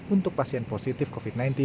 untuk pasien positif covid sembilan belas